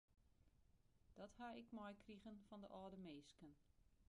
Dat ha ik meikrige fan de âlde minsken.